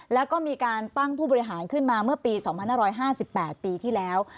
แล้วก็มีการตั้งผู้บริหารขึ้นมาเมื่อปี๒๕๕๘ปีที่แล้ว